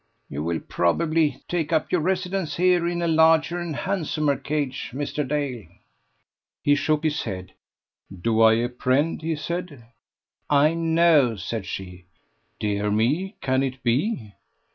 "You will probably take up your residence here, in a larger and handsomer cage. Mr. Dale." He shook his head. "Do I apprehend ..." he said. "I know," said she. "Dear me, can it be?"